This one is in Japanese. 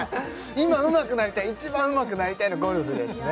今うまくなりたい一番うまくなりたいのゴルフですね